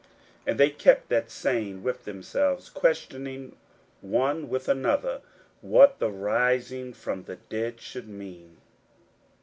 41:009:010 And they kept that saying with themselves, questioning one with another what the rising from the dead should mean.